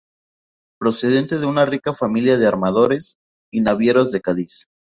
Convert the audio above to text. Procedente de una rica familia de armadores y navieros de Cádiz.